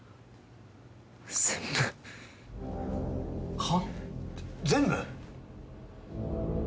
全部はあ？全部！？